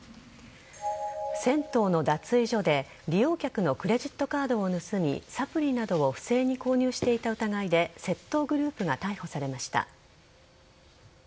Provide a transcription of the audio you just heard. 銭湯の脱衣場で利用客のクレジットカードを盗みサプリなどを不正に購入していた疑いで窃盗グループが逮捕されました。